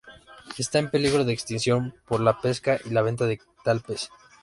Está en peligro de extinción por la pesca y la venta de tal pez.